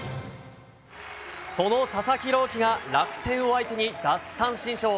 その佐々木朗希が楽天を相手に奪三振ショー。